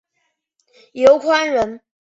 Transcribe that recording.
刘宽人。